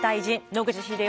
野口英世。